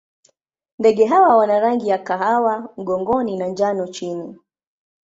Ndege hawa wana rangi ya kahawa mgongoni na njano chini.